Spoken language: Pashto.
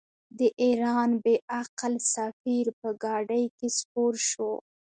د ایران بې عقل سفیر په ګاډۍ کې سپور شو.